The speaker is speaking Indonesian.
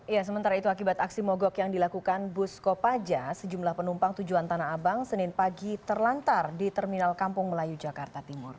ya sementara itu akibat aksi mogok yang dilakukan bus kopaja sejumlah penumpang tujuan tanah abang senin pagi terlantar di terminal kampung melayu jakarta timur